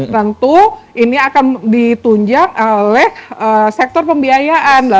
tentu ini akan ditunjang oleh sektor pembiayaan